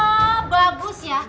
oh bagus ya